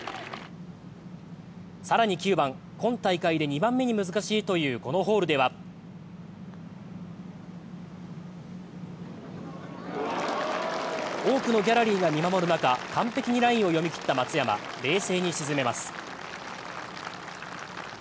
更に９番、今大会で２番目の難しいというこのホールでは多くのギャラリーが見守る中、完璧にラインを読み切った松山、冷静に沈めます。